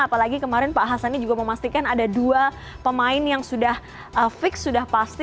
apalagi kemarin pak hasan ini juga memastikan ada dua pemain yang sudah fix sudah pasti